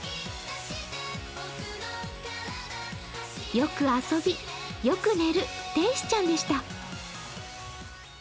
よく遊び、よく寝る天使ちゃんでした。